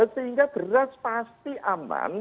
sehingga beras pasti aman